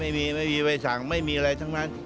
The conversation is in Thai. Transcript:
ไม่มีไม่มีใบสั่งไม่มีอะไรทั้งนั้น